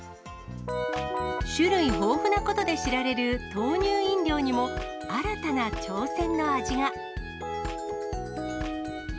種類豊富なことで知られる豆乳飲料にも、新たな挑戦の味が。